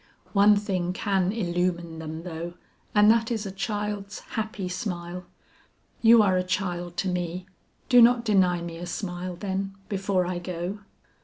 One thing can illumine them though, and that is a child's happy smile. You are a child to me; do not deny me a smile, then, before I go."